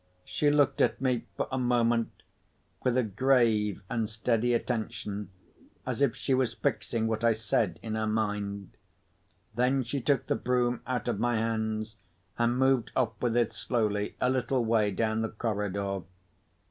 She looked at me for a moment with a grave and steady attention, as if she was fixing what I said in her mind. Then she took the broom out of my hands and moved off with it slowly, a little way down the corridor.